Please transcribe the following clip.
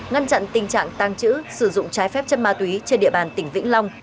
ngăn chặn tình trạng tăng trữ sử dụng trái phép chân ma túy trên địa bàn tỉnh vĩnh long